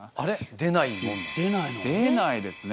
出ないですね